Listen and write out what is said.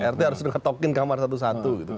rt harus ketokin kamar satu satu